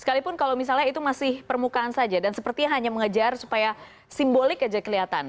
sekalipun kalau misalnya itu masih permukaan saja dan sepertinya hanya mengejar supaya simbolik saja kelihatan